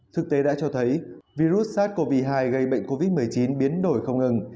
thực tế đã cho thấy virus sars cov hai gây bệnh covid một mươi chín biến đổi không ngừng